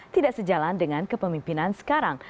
tidak sejalan dengan kepemimpinan sekarang